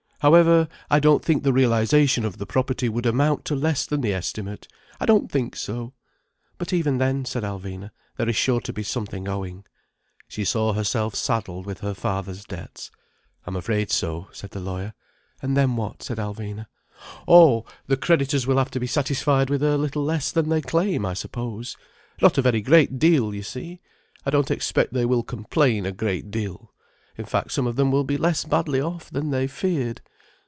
However, I don't think the realization of the property would amount to less than the estimate. I don't think so." "But even then," said Alvina. "There is sure to be something owing—" She saw herself saddled with her father's debts. "I'm afraid so," said the lawyer. "And then what?" said Alvina. "Oh—the creditors will have to be satisfied with a little less than they claim, I suppose. Not a very great deal, you see. I don't expect they will complain a great deal. In fact, some of them will be less badly off than they feared.